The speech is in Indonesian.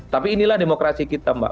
tapi inilah demokrasi kita mbak